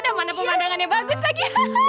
dan mana pemandangannya bagus lagi